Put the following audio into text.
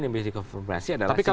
yang bisa dikonfirmasi adalah